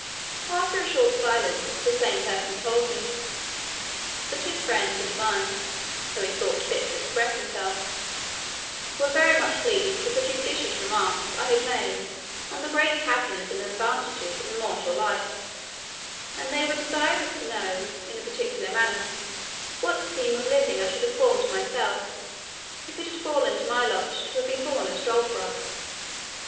After a short silence, the same person told me, "that his friends and mine (so he thought fit to express himself) were very much pleased with the judicious remarks I had made on the great happiness and advantages of immortal life, and they were desirous to know, in a particular manner, what scheme of living I should have formed to myself, if it had fallen to my lot to have been born a struldbrug."